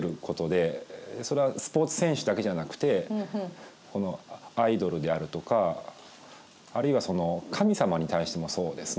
それはスポーツ選手だけじゃなくてアイドルであるとかあるいは神様に対してもそうですね